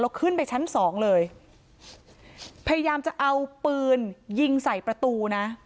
แล้วขึ้นไปชั้นสองเลยพยายามจะเอาปืนยิงใส่ประตูนะ